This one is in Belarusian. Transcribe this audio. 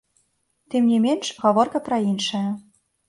Тым не менш, гаворка пра іншае.